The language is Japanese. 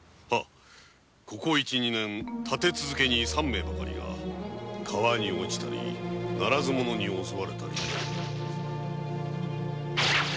ここ一二年立て続けに三名ばかりが川に落ちたりならず者に襲われたり。